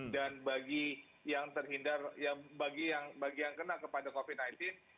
dan bagi yang terhindar bagi yang kena kepada covid sembilan belas